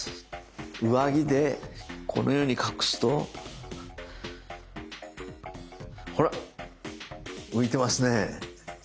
上着でこのように隠すとほら浮いてますね。